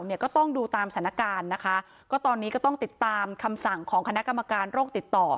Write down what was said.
เนี่ยก็ต้องดูตามสถานการณ์นะคะก็ตอนนี้ก็ต้องติดตามคำสั่งของคณะกรรมการโรคติดต่อ